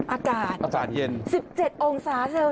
อากาศ๑๗องศาเซลเซียนโอ้โฮอาจารย์เย็น